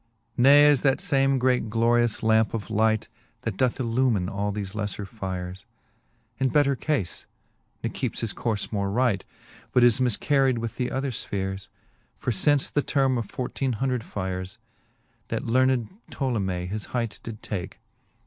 VII. Ne is that fame great glorious lampe of light, That doth enlumine all thefe lefler fyres. In better cafe, ne keepes his courfe more right, But is mifcarried with other Ipheres. For lince the terme of fourteene hundred yercs^ That learned Ptolomcee his hight did take.